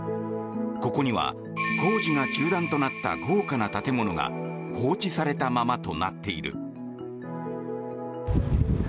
ここには工事が中断となった豪華な建物が放置されたままとなっている。